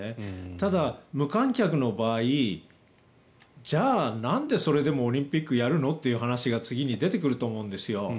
ただ、無観客の場合じゃあ、なんでそれでもオリンピックやるのという話が次に出てくると思うんですよ。